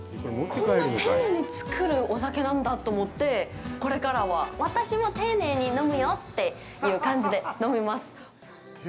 こんな丁寧に作るお酒なんだと思ってこれからは、私も丁寧に飲むよっていう感じで飲みます。